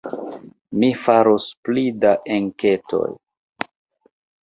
Mi faros pli da enketoj.